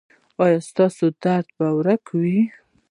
ایا ستاسو درد به ورک وي؟